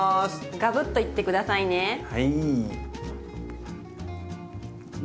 ガブッといって下さいね！